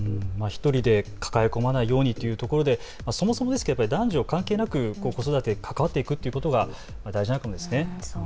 １人で抱え込まないようにというところでそもそも男女かかわらず子育てに関わっていくということが大事なんですね。